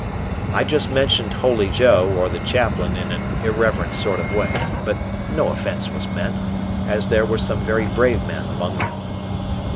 I just mentioned "Holy Joe" or the Chaplain in an irreverent sort of way but no offense was meant, as there were some very brave men among them.